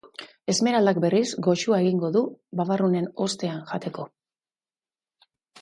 Esmeraldak, berriz, goxua egingo du babarrunen ostean jateko.